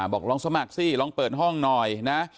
บอกลองสมัครสิลองเปิดห้องหน่อยนะ